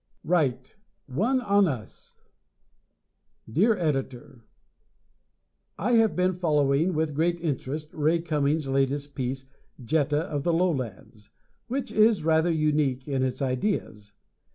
Right! One on Us Dear Editor: I have been following with great interest Ray Cummings' latest piece, "Jetta of the Lowlands," which is rather unique in its ideas.